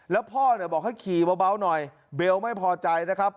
แล้วพ่อเนี่ยบอกให้ขี่เบาหน่อยเบลไม่พอใจนะครับ